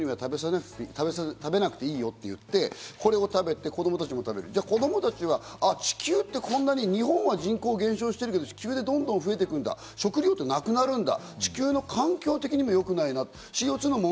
食べたくない人には食べなくていいよと言って、これを食べて、子供たち、地球ってこんなに日本は人口が減少してるけど、地球でどんどん増えていくんだ、食糧ってなくなるんだ。